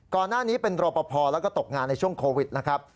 ก่อนหน้านี้เป็นรอปภแล้วก็ตกงานในช่วงโควิดนะครับ